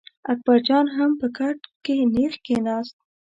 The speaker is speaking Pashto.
اکبر جان هم په کټ کې نېغ کېناست.